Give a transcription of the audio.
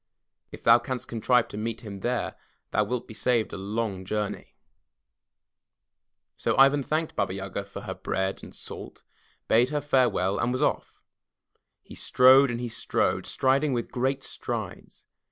If thou canst contrive to meet him there, thou wilt be saved a long journey." 31 M Y BOOK HOUSE So Ivan thanked Baba Yaga for her bread and salt, bade her farewell and was off. He strode and he strode, striding with great strides.